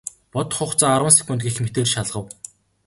Бодох хугацаа арван секунд гэх мэтээр шалгав.